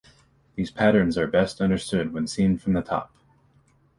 These patterns are best understood when seen from the top.